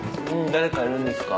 誰かいるんですか？